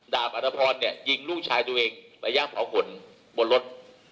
บอลอัตภพรเนี่ยยิงลูกชายตัวเองไปย่างเผาผลบนรถ